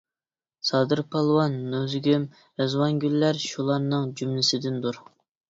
سادىر پالۋان، نۇزۇگۇم، رىزۋانگۈللەر شۇلارنىڭ جۈملىسىدىندۇر.